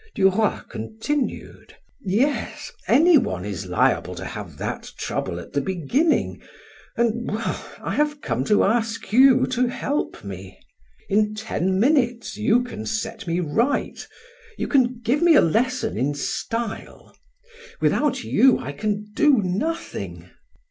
Duroy continued: "Yes, anyone is liable to have that trouble at the beginning; and, well I have come to ask you to help me. In ten minutes you can set me right. You can give me a lesson in style; without you I can do nothing."